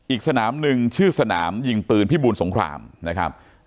อีกสนามหนึ่งชื่อสนามยิงปืนพิบูลสงครามนะครับ